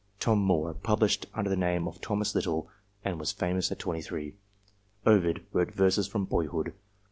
Tom Moore pub lished under the name of Thomas Little, and was famous at 28. Ovid wrote verses from boyhood.